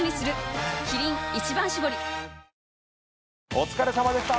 お疲れさまでした。